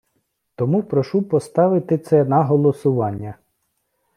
Тому прошу поставити це на голосування.